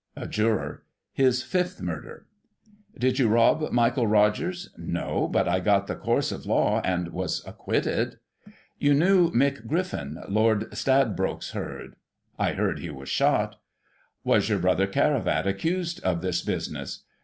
A Juror: His fifth murder. Did you rob Michael Rogers }— No, but I got the course of law, and was acquitted. You knew Mick Griffin, Lord Stradbroke's herd ?— I heard he was shot. Was your brother Caravat accused of this business